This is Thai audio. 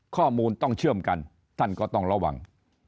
ข้อมูลต้องเชื่อมกันท่านก็ต้องระวัง